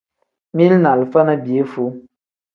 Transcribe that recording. Mili ni alifa ni piyefuu.